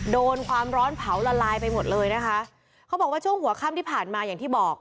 โดนความร้อนเผาละลายไปหมดเลยนะคะเขาบอกว่าช่วงหัวค่ำที่ผ่านมาอย่างที่บอก